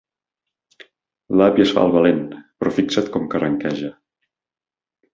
L'avi es fa el valent, però fixa't com carranqueja.